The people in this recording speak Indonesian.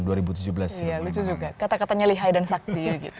iya lucu juga kata katanya lihai dan sakti gitu